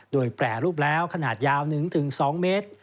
โดยแปรรูปแล้วขนาดยาว๑๒เมตร